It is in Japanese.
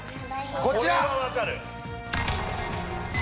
こちら！